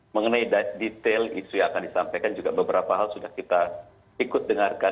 mengenai detail isu yang akan disampaikan juga beberapa hal sudah kita ikut dengarkan